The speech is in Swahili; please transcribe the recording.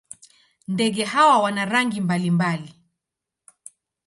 Ndege hawa wana rangi mbalimbali.